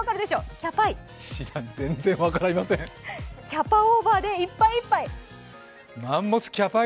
キャパオーバーでいっぱいいっぱい。